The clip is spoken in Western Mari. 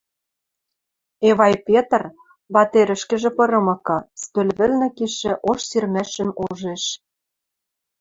Эвай Петр, ватерӹшкӹжӹ пырымыкы, стӧл вӹлнӹ кишӹ ош сирмӓшӹм ужеш.